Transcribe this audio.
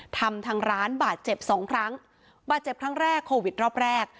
ทำทางร้านบาดเจ็บสองครั้งบาดเจ็บครั้งแรกโควิดรอบแรก